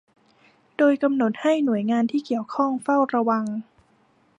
โดยกำหนดให้หน่วยงานที่เกี่ยวข้องเฝ้าระวัง